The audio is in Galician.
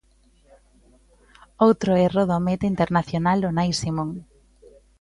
Outro erro do meta internacional Unai Simón.